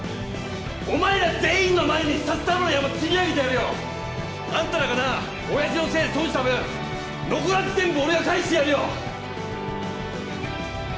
お前ら全員の前に札束の山積み上げてやるよ！あんたらがなおやじのせいで損した分残らず全部俺が返してやるよ！